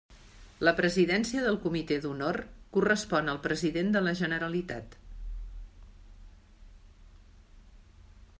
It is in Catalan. La presidència del Comité d'Honor correspon al president de la Generalitat.